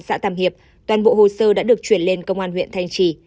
xã tàm hiệp toàn bộ hồ sơ đã được chuyển lên công an huyện thanh trì